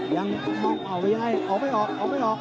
ยังเอายังไงออกไม่ออกออกไม่ออก